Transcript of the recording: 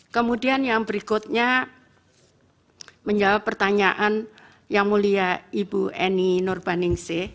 kemudian yang berikutnya menjawab pertanyaan yang mulia ibu eni nurbaningsi